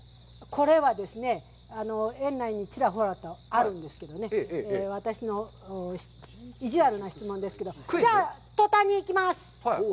これはですね、園内にちらほらとあるんですけどね、私の意地悪な質問ですけど、じゃあ途端にいきます！